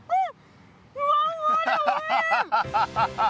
アハハハ！